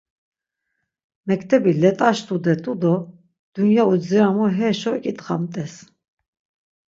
Mektebi let̆aş tude t̆u do dunya udziramu heşo iǩitxamt̆es.